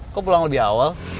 kok pulang lebih awal